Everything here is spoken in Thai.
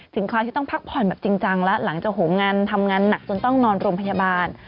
คลายที่ต้องพักผ่อนแบบจริงจังแล้วหลังจากโหมงานทำงานหนักจนต้องนอนโรงพยาบาล